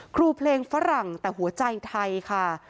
ครูเพลงฝรั่งแต่หัวใจไทยค่ะ